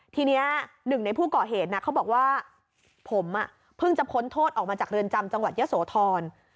ทีนี้หนึ่งในผู้ก่อเหตุเขาบอกว่าผมเพิ่งจะพ้นโทษออกมาจากเรือนจำจังหวัดยะโสธร